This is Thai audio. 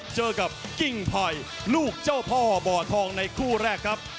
เจอกับกิ้งไผ่ลูกเจ้าพ่อบ่อทองในคู่แรกครับ